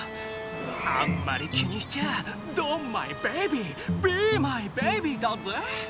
あんまり気にしちゃドンマイベイビービーマイベイビーだぜ。